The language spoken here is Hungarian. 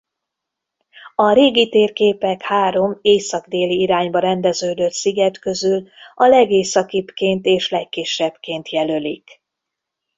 A régi térképek három észak-déli irányba rendeződött sziget közül a legészakibbként és legkisebbként jelölik.